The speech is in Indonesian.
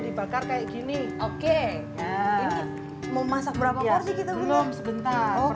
dibakar kayak gini oke ini mau masak berapa porsi kita belum sebentar oke